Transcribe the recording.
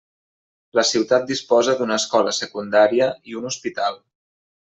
La ciutat disposa d'una escola secundària i un hospital.